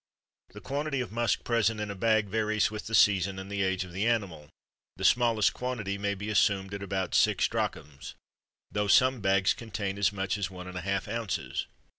The quantity of musk present in a bag varies with the season and the age of the animal; the smallest quantity may be assumed at about six drachms, though some bags contain as much as one and a half ounces.